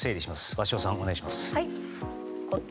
鷲尾さん、お願いします。